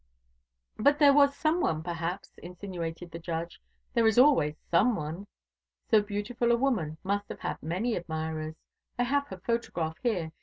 "But there was some one, perhaps," insinuated the judge, "there is always some one. So beautiful a woman must have had many admirers. I have her photograph here.